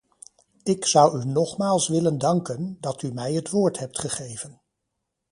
Ik zou u nogmaals willen danken, dat u mij het woord hebt gegeven.